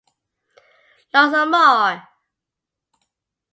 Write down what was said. Los amo!